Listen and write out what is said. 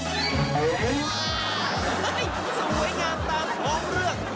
เฮ่ยสวยงามตามของเรื่อง